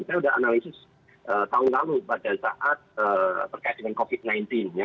saya sudah analisis tahun lalu pada saat terkait dengan covid sembilan belas ya